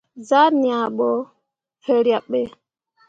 Zah ŋiah ɓo hǝraɓ ɓe.